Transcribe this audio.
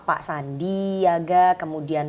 pak sandiaga kemudian